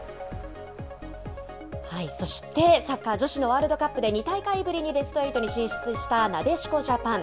そして、サッカー女子のワールドカップで２大会ぶりにベストエイトに進出したなでしこジャパン。